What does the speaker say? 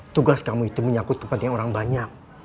tugas kamu itu menyangkut kepentingan orang banyak